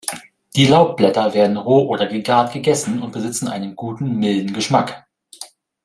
Die Laubblätter werden roh oder gegart gegessen und besitzen einen guten, milden Geschmack.